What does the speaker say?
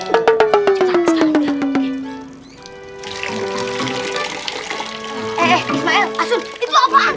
eh eh ismail asun itu apaan